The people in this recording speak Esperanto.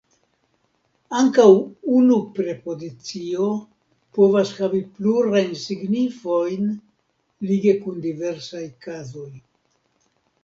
Ankaŭ unu prepozicio povas havi plurajn signifojn lige kun diversaj kazoj.